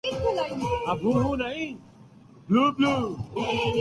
Asia Cup بھارتی team کا اعلان ویرات کوہلی ٹیم سے باہر